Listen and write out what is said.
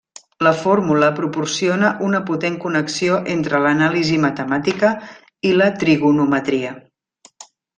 La fórmula proporciona una potent connexió entre l'anàlisi matemàtica i la trigonometria.